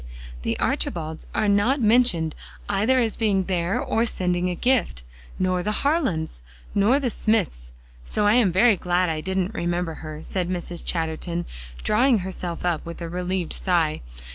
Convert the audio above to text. "The Archibalds are not mentioned, either as being there or sending a gift, nor the Harlands, nor the Smythes, so I am very glad I didn't remember her," said Mrs. Chatterton, drawing herself up with a relieved sigh.